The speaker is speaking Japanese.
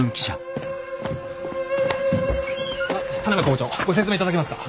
あっ田邊校長ご説明いただけますか？